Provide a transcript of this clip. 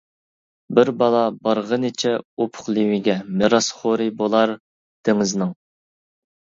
بىر بالا بارغىنىچە ئۇپۇق لېۋىگە، مىراسخورى بولار دېڭىزنىڭ.